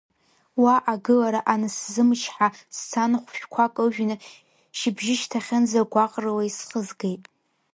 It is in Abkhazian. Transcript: Уа агылара анысзымчҳа, сцан хәшәқәак ыжәны, шьыбжьышьҭахьынӡа гәаҟрыла исхызгеит.